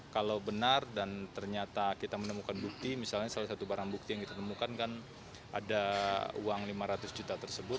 kalau benar dan ternyata kita menemukan bukti misalnya salah satu barang bukti yang kita temukan kan ada uang lima ratus juta tersebut